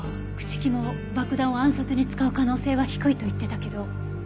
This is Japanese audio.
朽木も爆弾を暗殺に使う可能性は低いと言ってたけど。